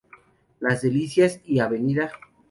Las Delicias y Av.